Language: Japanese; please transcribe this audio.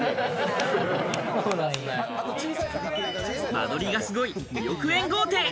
間取りがすごい２億円豪邸。